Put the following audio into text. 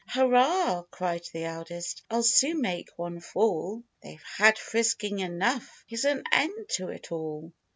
" Hurrah !" cried the eldest, — "I'll soon make one fall! They've had frisking enough— here's an end to it all!"